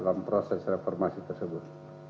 dalam proses reformasi tersebut